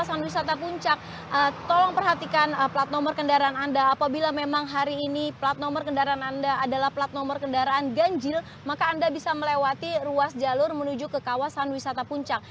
jika anda menemukan kendaraan yang ada di antaranya adalah plat nomor kendaraan ganjil maka anda bisa melewati ruas jalur menuju ke kawasan wisata puncak